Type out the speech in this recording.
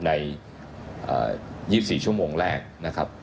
ใน๒๔ชั่วโมงแรกนะครับ